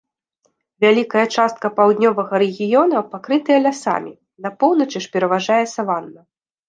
Вялікая частка паўднёвага рэгіёна пакрытая лясамі, на поўначы ж пераважае саванна.